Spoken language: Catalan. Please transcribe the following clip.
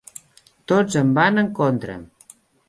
Tots em van en contra.